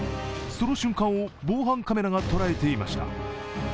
その瞬間を防犯カメラが捉えていました。